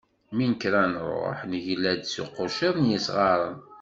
Mi nekker ad d-nruḥ negla-d s tquciḍt n yisɣaren.